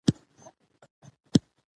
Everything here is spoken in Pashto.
هغه د ماشومانو سره په مینه خبرې کوي.